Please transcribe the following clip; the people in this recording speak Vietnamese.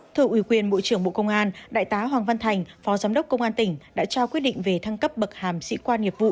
thưa ủy quyền bộ trưởng bộ công an đại tá hoàng văn thành phó giám đốc công an tỉnh đã trao quyết định về thăng cấp bậc hàm sĩ quan nghiệp vụ